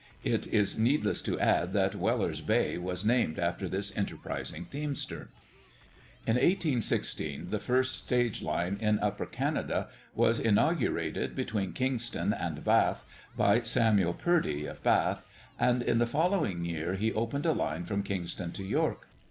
It is needless to add that Weller's Bay was named after this enterprising teamster. In 1816 the first stage line in Upper Canada was inaugurated between Kingston and Bath by Samuel Purdy, of Bath, and in the following year he opened a line from Kingston to York.